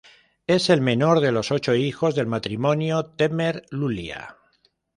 Es el menor de los ocho hijos del matrimonio Temer-Lulia.